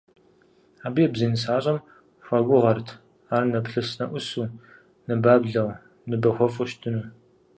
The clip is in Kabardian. Абы ебзей нысащӀэм хуагугъэрт ар нэплъыс-нэӀусу, ныбаблэу, ныбэхуэфӀу щытыну.